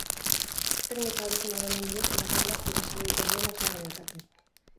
Teknika original honen bidez irakurleak jolas egiten duela esan genezake.